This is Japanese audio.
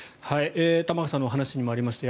玉川さんの話にもありました